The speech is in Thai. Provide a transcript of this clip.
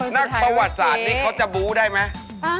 นักประวัติศาสตร์นี้เขาจะบู้ได้ไหม